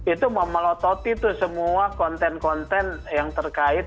itu memelototi tuh semua konten konten yang terkait